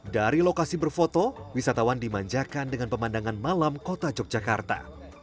dari lokasi berfoto wisatawan dimanjakan dengan pemandangan malam kota yogyakarta